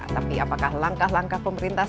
tapi apakah langkah langkah pemerintah